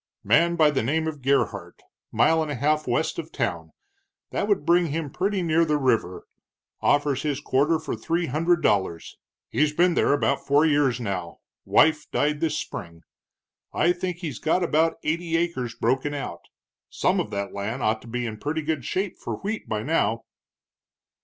"Man by the name of Gerhart, mile and a half west of town that would bring him pretty near the river offers his quarter for three hundred dollars. He's been there about four years, wife died this spring. I think he's got about eighty acres broken out. Some of that land ought to be in pretty good shape for wheat by now."